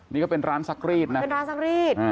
นี่ก็เป็นร้านซักรีดนะเป็นร้านซักรีด